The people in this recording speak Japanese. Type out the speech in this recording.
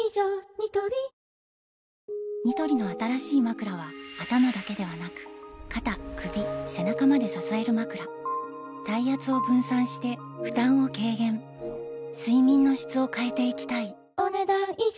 ニトリニトリの新しいまくらは頭だけではなく肩・首・背中まで支えるまくら体圧を分散して負担を軽減睡眠の質を変えていきたいお、ねだん以上。